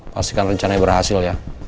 pastikan rencana berhasil ya